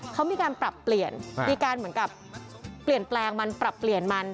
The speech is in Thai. เขามีการปรับเปลี่ยนมีการเหมือนกับเปลี่ยนแปลงมันปรับเปลี่ยนมัน